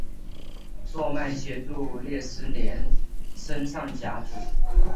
诺曼协助列斯联升上甲组。